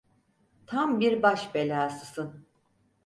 Tam bir baş belasısın.